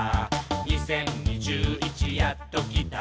「２０２１やっと来た」